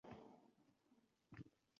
U bir bag’ri daryo